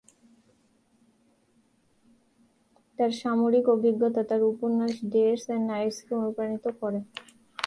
তার সামরিক অভিজ্ঞতা তার উপন্যাস "ডেস অ্যান্ড নাইটস"-কে অনুপ্রাণিত করে।